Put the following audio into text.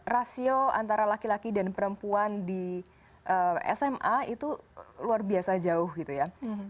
rasio antara laki laki dan perempuan di sma itu luar biasa jauh gitu ya